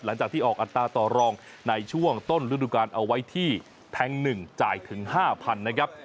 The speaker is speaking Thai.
หลังจากที่ออกอัตราต่อรองในช่วงต้นฤดูการเอาไว้ที่แทง๑จ่ายถึง๕๐๐๐นะครับ